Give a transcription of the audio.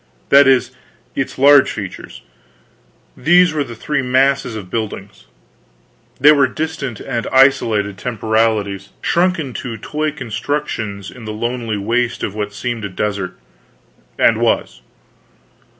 That is, its large features. These were the three masses of buildings. They were distant and isolated temporalities shrunken to toy constructions in the lonely waste of what seemed a desert and was.